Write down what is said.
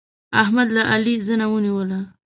احمد د علي زنه ونيوله.